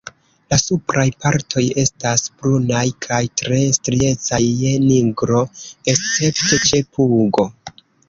La supraj partoj estas brunaj kaj tre striecaj je nigro, escepte ĉe pugo.